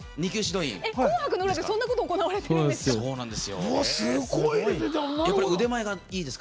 「紅白」の裏でそんなこと行われてるんですか？